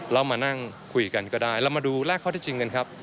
เรามานั่งคุยกันก็ได้เรามาดูแรกข้อที่จริงกันครับ